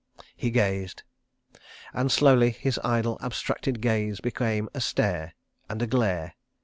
He gazed. ... And slowly his idle abstracted gaze became a stare and a glare.